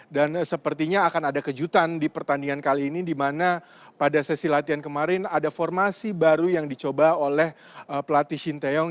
dan sepertinya akan ada kejutan di pertandingan kali ini dimana pada sesi latihan kemarin ada formasi baru yang dicoba oleh pelatih shinteong